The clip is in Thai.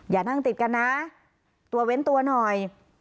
อย่านั่งติดกันนะตัวเว้นตัวหน่อย